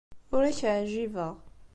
Ur ak-ɛjibeɣ.